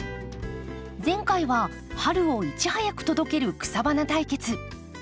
前回は春をいち早く届ける草花対決。